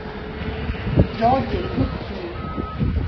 Jag ger upp nu.